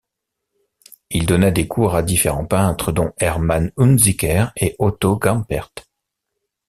Il donna des cours à différents peintres, dont Hermann Hunziker et Otto Gampert.